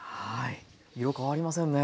色変わりませんね。